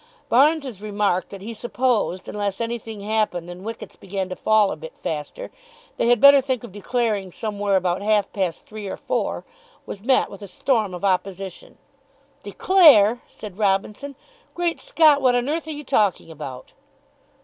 Barnes's remark that he supposed, unless anything happened and wickets began to fall a bit faster, they had better think of declaring somewhere about half past three or four, was met with a storm of opposition. "Declare!" said Robinson. "Great Scott, what on earth are you talking about?"